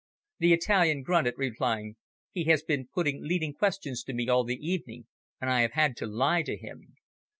The Italian grunted, replying, "He has been putting leading questions to me all the evening, and I have had to lie to him."